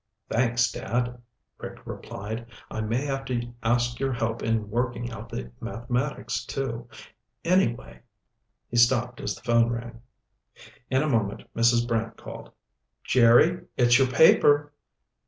"Thanks, Dad," Rick replied. "I may have to ask your help in working out the mathematics, too. Anyway...." He stopped as the phone rang. In a moment Mrs. Brant called. "Jerry, it's your paper."